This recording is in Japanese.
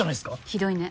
ひどいね。